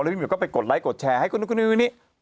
แล้วพี่เมียวก็ไปกดไลค์กดแชร์ให้คุณคุณคุณคุณคุณนี่